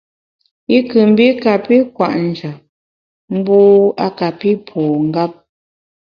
I nkù mbi kapi kwet njap, mbu a kapi pu ngap.